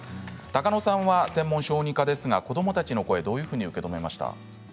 中野さんは専門の小児科ですが子どもたちの声どういうふうに受け止めました？